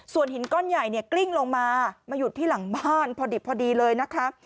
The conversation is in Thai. ส่วนหินก้อนใหญ่เนี่ยกลิ้งลงมามาหยุดที่หลังบ้านพอดิบพอดีเลยนะคะ